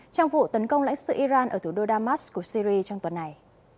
trong vụ tấn công lãnh sự iran ở thủ đô damas của syri trong tuần này